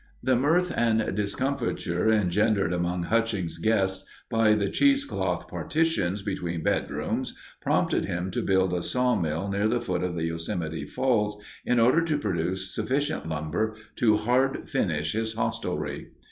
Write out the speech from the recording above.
The mirth and discomfiture engendered among Hutchings' guests by the cheesecloth partitions between bedrooms prompted him to build a sawmill near the foot of Yosemite Falls in order to produce sufficient lumber to "hard finish" his hostelry.